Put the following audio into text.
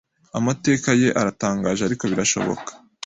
Amateka ye aratangaje, ariko birashoboka.